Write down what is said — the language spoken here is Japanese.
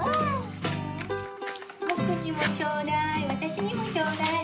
ぼくにもちょうだい。